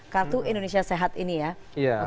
kartu indonesia sehat ini ya